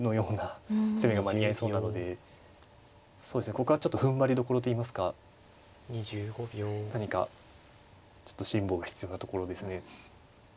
ここはちょっとふんばりどころといいますか何かちょっと辛抱が必要なところですね。